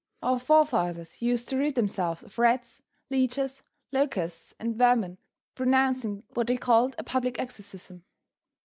Our forefathers used to rid themselves of rats, leeches, locusts and vermin by pronouncing what they called a public exorcism.